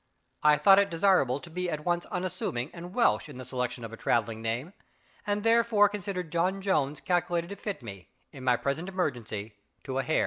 I thought it desirable to be at once unassuming and Welsh in the selection of a traveling name; and therefore considered John Jones calculated to fit me, in my present emergency, to a hair.